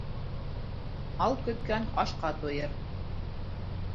Мал көткән ашҡа туйыр.